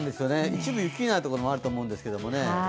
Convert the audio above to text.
一部行きになるところもあると思うんですけどね。